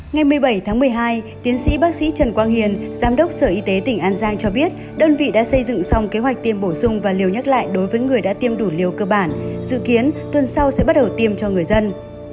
ngày một mươi bảy tháng một mươi hai tiến sĩ bác sĩ trần quang hiền giám đốc sở y tế tỉnh an giang cho biết đơn vị đã xây dựng xong kế hoạch tiêm bổ sung và liều nhắc lại đối với người đã tiêm đủ liều cơ bản dự kiến tuần sau sẽ bắt đầu tiêm cho người dân